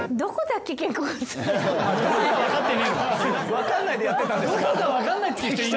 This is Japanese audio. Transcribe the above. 分かんないでやってたんですか？